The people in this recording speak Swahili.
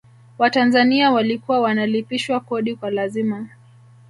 watanzania walikuwa wanalipishwa kodi kwa lazima